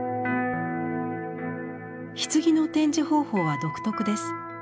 棺の展示方法は独特です。